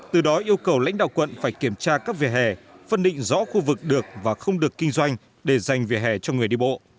từ đó yêu cầu lãnh đạo quận phải kiểm tra các vỉa hè phân định rõ khu vực được và không được kinh doanh để dành vỉa hè cho người đi bộ